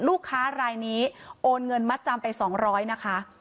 ลูกค้ารายนี้โอนเงินมัดจำไป๒๐๐นะคะ